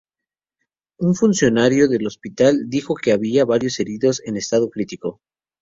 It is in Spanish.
Un funcionario del hospital dijo que había varios heridos en estado crítico.